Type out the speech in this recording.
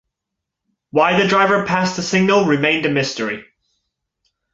Why the driver passed the signal remained a mystery.